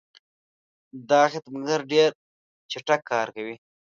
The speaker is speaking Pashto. دا خدمتګر ډېر چټک کار کوي.